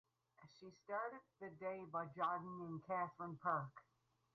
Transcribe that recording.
She started the day by jogging in Catherine Park.